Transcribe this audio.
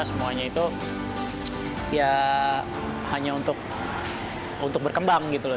semuanya itu ya hanya untuk berkembang gitu loh